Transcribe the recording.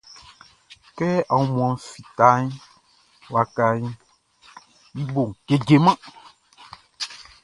Kɛ aunmuanʼn fitaʼn, wakaʼn i boʼn kejeman.